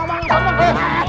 ayo kita deketan lagi yuk